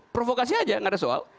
provokasi saja tidak ada soal